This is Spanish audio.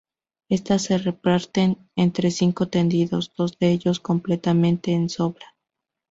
Estas se reparten entre cinco tendidos, dos de ellos completamente en sombra.